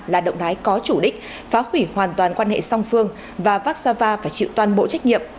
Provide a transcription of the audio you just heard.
là động thái có chủ đích phá hủy hoàn toàn quan hệ song phương và vassava phải chịu toàn bộ trách nhiệm